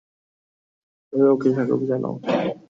সবাই ওকে স্বাগত জানাও!